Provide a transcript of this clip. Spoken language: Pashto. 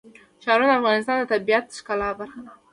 ښارونه د افغانستان د طبیعت د ښکلا برخه ده.